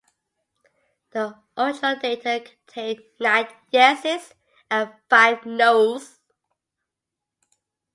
The original data contained nine yes's and five no's.